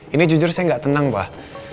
ini jujur saya gak tenang pak